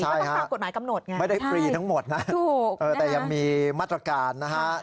ใช่ไม่ได้ฟรีทั้งหมดน่ายังมีมาตรการนะครับถูก